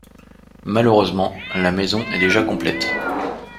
Malheureusement, la maison est déjà complète.